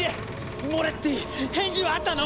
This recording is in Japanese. モレッティ返事はあったの？